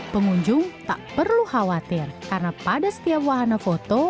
pengunjung tak perlu khawatir karena pada setiap wahana foto